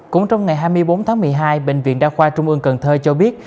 cũng trong ngày hai mươi bốn tháng một mươi hai bệnh viện đa khoa trung ương cần thơ cho biết